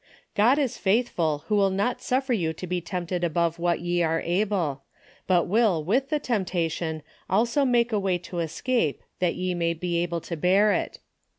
,.. God is faithful, Avho Avill not suffer 94 A DAILY RATE.'^ 95 you to be tempted above that ye are able ; but will with the temptation also make a way to escape, that ye may be able to bear it.